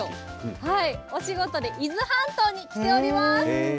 私はきょう、お仕事で伊豆半島に来ております。